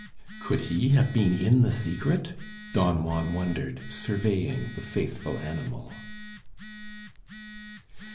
"Could he have been in the secret?" Don Juan wondered, surveying the faithful animal.